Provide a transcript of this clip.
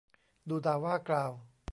ดุด่าว่ากล่าว